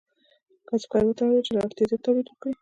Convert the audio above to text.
کسبګر وتوانیدل چې له اړتیا زیات تولید وکړي.